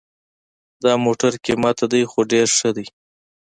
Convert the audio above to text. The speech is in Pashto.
دا موټر قیمته ده خو ډېر ښه ده